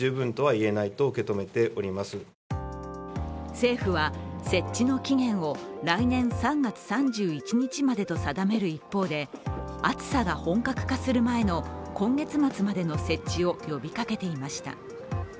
政府は設置の期限を来年３月３１日までと定める一方で暑さが本格化する前の今月末までの設置を呼びかけていました。